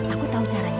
aku tahu caranya